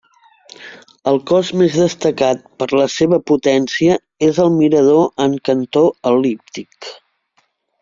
El cos més destacat per la seva potència és el mirador en cantó el·líptic.